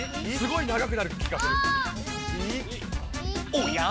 おや？